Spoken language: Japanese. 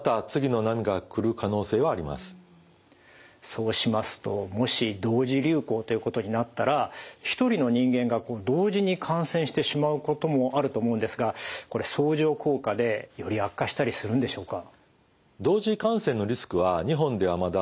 そうしますともし同時流行ということになったら一人の人間が同時に感染してしまうこともあると思うんですが相乗効果でより悪化したりするんでしょうか？